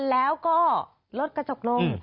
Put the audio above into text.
แล้วก็ลดกระจกลง